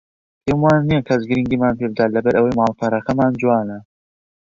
پێم وانییە کەس گرنگیمان پێ بدات لەبەر ئەوەی ماڵپەڕەکەمان جوانە